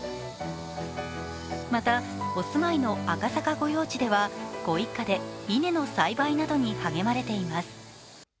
またお住まいの赤坂御用地ではご一家で稲の栽培などに励まれています。